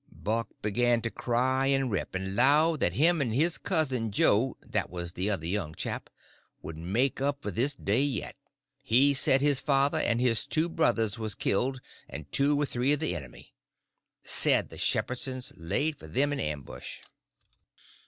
Buck begun to cry and rip, and 'lowed that him and his cousin Joe (that was the other young chap) would make up for this day yet. He said his father and his two brothers was killed, and two or three of the enemy. Said the Shepherdsons laid for them in ambush.